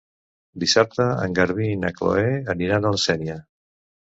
Dissabte en Garbí i na Chloé aniran a la Sénia.